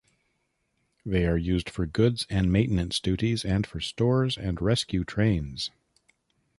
They are used for goods and maintenance duties and for stores and rescue trains.